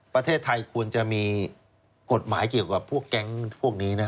ประเทศไทยควรจะมีกฎหมายเกี่ยวกับพวกแก๊งพวกนี้นะ